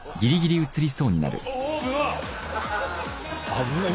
危ない。